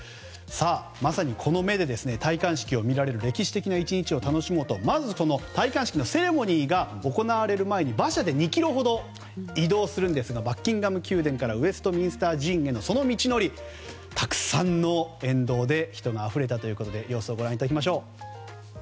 まさにこの目で戴冠式を見られる歴史的な１日を楽しもうとまず、戴冠式のセレモニーが行われる前に馬車で２ｋｍほど移動するんですがバッキンガム宮殿からウェストミンスター寺院へのその道のり、沿道で人があふれたということで様子をご覧いただきましょう。